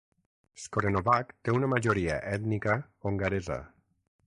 Skorenovac té una majoria ètnica hongaresa.